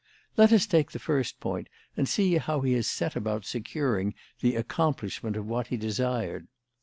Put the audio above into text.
Let us take the first point and see how he has set about securing the accomplishment of what he desired.